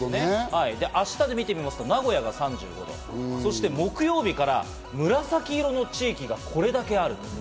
明日を見てみますと、名古屋が３５度、木曜日から紫色の地域がこれだけあるんです。